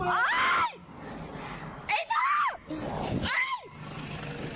อ้าว